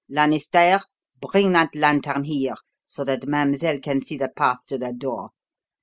Lanisterre, bring that lantern here so that mademoiselle can see the path to the door.